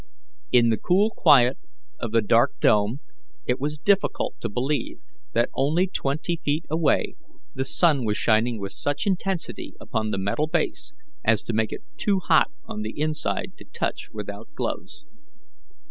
In the cool quiet of the dark dome it was difficult to believe that only twenty feet away the sun was shining with such intensity upon the metal base as to make it too hot on the inside to touch without gloves.